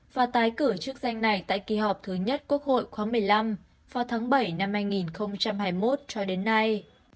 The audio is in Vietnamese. và tái cử chức danh này tại kỳ họp thứ nhất quốc hội khóa một mươi năm vào tháng bảy năm hai nghìn hai mươi một cho đến nay